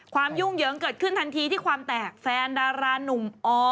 ยุ่งเหยิงเกิดขึ้นทันทีที่ความแตกแฟนดารานุ่มอ